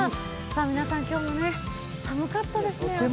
皆さん、今日、寒かったですね、朝。